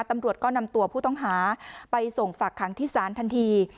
ตำรวจก็นำตัวผู้ต้องหาไปส่งฝากขังที่ศาลทันที